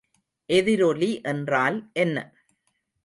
எதிரொலி என்றால் என்ன?